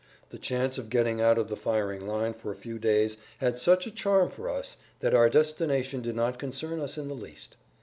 The chance of getting out of the firing line for a few days had such a charm for us that our destination did not concern us in the least.